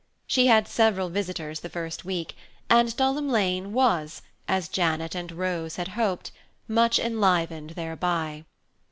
She had several visitors the first week, and Dulham Lane was, as Janet and Rose had hoped, much enlivened thereby.